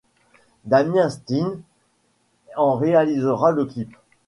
Damien Stein en réalisera le clip.